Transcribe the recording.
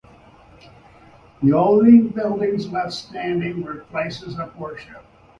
The only buildings left standing were places of worship.